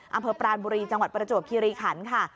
อำเภอปรานบุรีจังหวัดประจวบคิริขันค่ะ